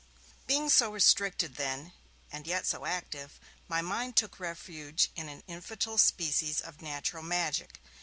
Being so restricted, then, and yet so active, my mind took refuge in an infantile species of natural magic.